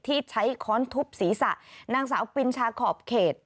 ที่ใช้ค้อนทุบศีรษะนางสาวปินชาขอบเขต